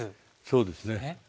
そうですね。